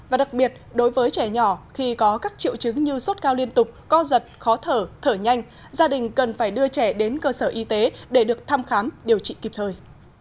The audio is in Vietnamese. và đặc biệt đối với trẻ nhỏ khi có các triệu chứng như sốt cao liên tục co giật khó thở thở nhanh gia đình cần phải đưa trẻ đến cơ sở y tế để được thăm khám điều trị kịp thời